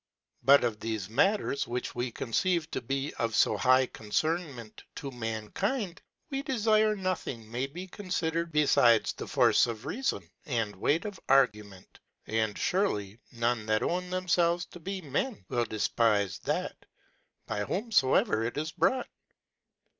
But in thefe matters which we conceive to be of fo high concernment to Mankind, we defire nothing may be confidered befidesthe force of Realon, and weight qf Argument and furely none that own themlelves to be Men, will defpife that^ by whomfoever it is brought.